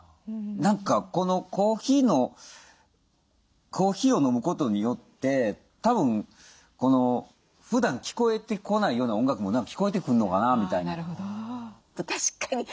何かこのコーヒーのコーヒーを飲むことによってたぶんふだん聞こえてこないような音楽も何か聞こえてくんのかなみたいな。